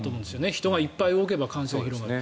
人がいっぱい動けば感染は広がる。